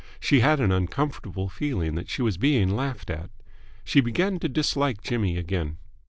She had an uncomfortable feeling that she was being laughed at. She began to dislike Jimmy again.